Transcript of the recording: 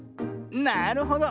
なるほど。